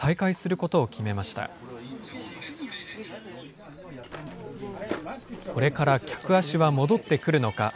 これから客足は戻ってくるのか。